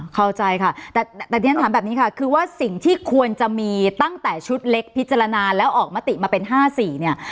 เข้าใจค่ะแต่ที่ฉันถามแบบนี้ค่ะคือว่าสิ่งที่ควรจะมีตั้งแต่ชุดเล็กพิจารณาแล้วออกมาติมาเป็น๕๔เนี่ย